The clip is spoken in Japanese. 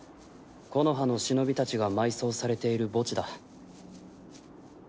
木ノ葉の忍たちが埋葬されている墓地だ。